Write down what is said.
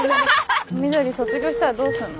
ミドリ卒業したらどうするの？